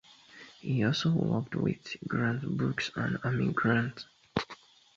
He also worked with Garth Brooks and Amy Grant.